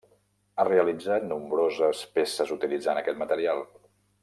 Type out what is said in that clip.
Ha realitzat nombroses peces utilitzant aquest material.